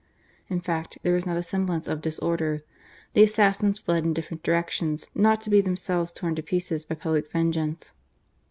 In fact, there was not a semblance of disorder : the assassins fled in different directions not to be themselves torn in pieces by public vengeance.